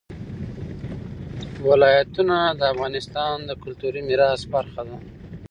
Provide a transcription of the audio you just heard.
ولایتونه د افغانستان د کلتوري میراث برخه ده.